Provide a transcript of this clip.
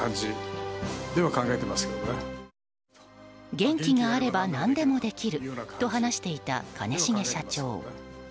元気があれば何でもできると話していた兼重社長。